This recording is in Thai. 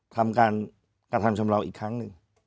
ทำการกระทำชำราวอีกครั้งหนึ่ง